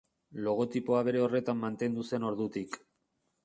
Logotipoa bere horretan mantendu zen ordutik.